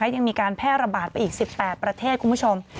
ยังมีการแพร่ระบาดไปอีก๑๘ประเทศคุณผู้ชม